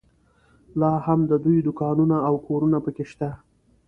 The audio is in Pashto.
لا هم د دوی دوکانونه او کورونه په کې شته.